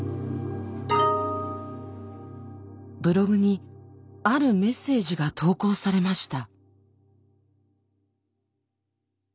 ブログにあるメッセージが投稿されました。